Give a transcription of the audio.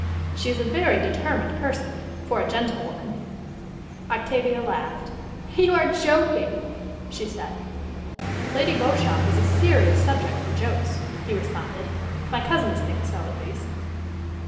She is a very determined person for a gentlewoman." Octavia laughed. "You are joking," she said. "Lady Beauchamp is a serious subject for jokes," he responded. "My cousins think so, at least."